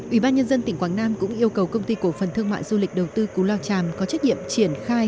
ủy ban nhân dân tỉnh quảng nam cũng yêu cầu công ty cổ phần thương mại du lịch đầu tư cù lao chàm có trách nhiệm triển khai